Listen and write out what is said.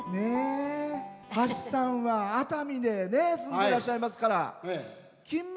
橋さんは、熱海に住んでらっしゃいますから。